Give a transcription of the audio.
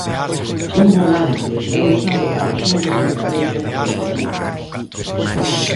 Un volante é usado para xogos de carreiras de automóbiles.